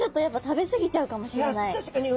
確かに。